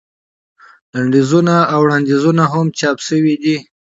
لنډیزونه او وړاندیزونه هم چاپ شوي دي.